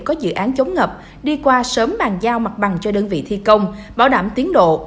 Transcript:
có dự án chống ngập đi qua sớm bàn giao mặt bằng cho đơn vị thi công bảo đảm tiến độ